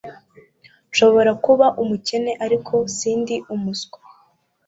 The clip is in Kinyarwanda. Nshobora kuba umukene ariko sindi umuswa